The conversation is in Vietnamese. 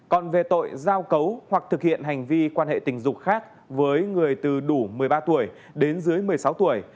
còn về tội giao cấu hoặc thực hiện hành vi quan hệ tình dục khác với người từ đủ một mươi ba tuổi đến dưới một mươi sáu tuổi